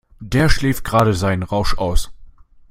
Der schläft gerade seinen Rausch aus.